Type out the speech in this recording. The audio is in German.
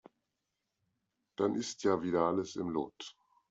Dann ist ja wieder alles im Lot.